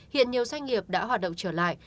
hiện nhiều doanh nghiệp đã hoạt động trở lại